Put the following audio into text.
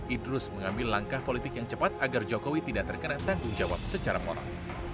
idrus mengambil langkah politik yang cepat agar jokowi tidak terkena tanggung jawab secara moral